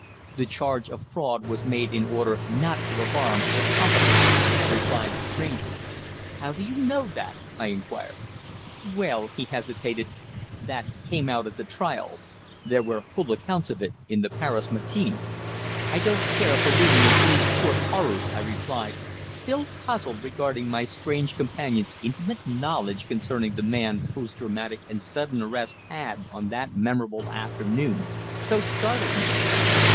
"The charge of fraud was made in order not to alarm his accomplice," replied the stranger. "How do you know that?" I inquired. "Well" he hesitated "that came out at the trial. There were full accounts of it in the Paris Matin." "I don't care for reading Assize Court horrors," I replied, still puzzled regarding my strange companion's intimate knowledge concerning the man whose dramatic and sudden arrest had, on that memorable afternoon, so startled me.